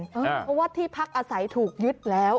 เพราะว่าที่พักอาศัยถูกยึดแล้ว